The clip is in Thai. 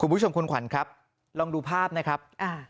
คุณผู้ชมคุณขวัญครับลองดูภาพนะครับ